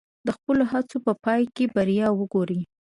د خپلو هڅو په پای کې بریا وګورئ.